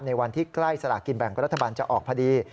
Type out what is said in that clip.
ในวันที่ใกล้สลากินแบ่งกรรษบันที่จะออกพอดี